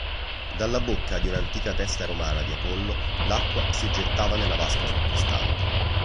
Dalla bocca di un'antica testa romana di Apollo l'acqua si gettava nella vasca sottostante.